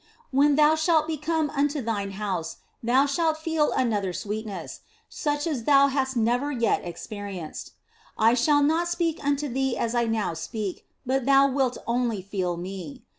When thou shalt be come unto thine house thou shalt feel another sweetness, such as thou hast never yet experienced. I shall not speak unto thee as I now speak, but thou wilt only feel Me.